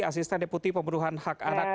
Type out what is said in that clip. asisten deputi pembunuhan hak anak